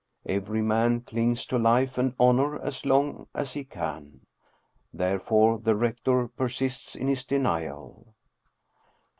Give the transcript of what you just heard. Every man clings to life and honor as long as he can. Therefore the rector persists in his denial.